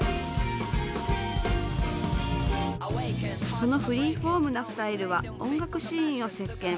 そのフリーフォームなスタイルは音楽シーンを席けん。